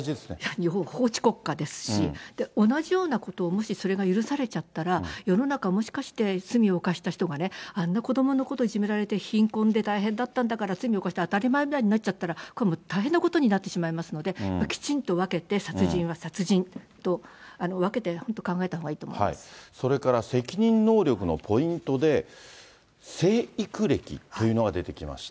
日本は法治国家ですし、同じようなことをもしそれが許されちゃったら、世の中、もしかして罪を犯した人がね、あんな子どものこといじめられて、貧困だったんだから、大変だったんだから、罪を犯して当たり前だよねになっちゃったら、今度大変なことになりますので、きちんと分けて、殺人は殺人と分けて本当、考えたほうがいいと思それから責任能力のポイントで、成育歴というのが出てきました。